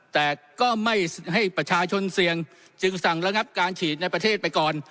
แต่ก็ไม่ให้ประชาชนเสี่ยงจึงสั่งระงับการฉีดในประเทศไปก่อน